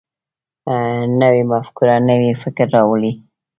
نوې مفکوره نوی فکر راوړي